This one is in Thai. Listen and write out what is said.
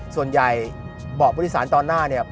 ส่วนใหญ่บ่อบวุฒิสารตอนหน้าเนี่ย